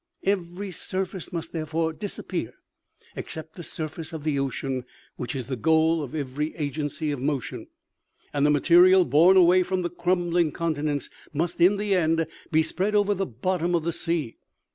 Every surface, must therefore disappear, except the surface of the ocean, which is the goal of every agency of motion ; and the material borne away from the crumbling conti nents must in the end be spread over the bottom of the sea.